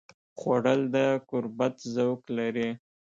خوړل د قربت ذوق لري